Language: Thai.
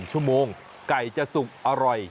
ชั่วโมงไก่จะสุกอร่อย